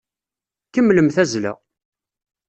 Kemmlem tazzla!